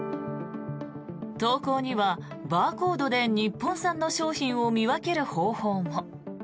投稿には、バーコードで日本産の商品を見分ける方法も。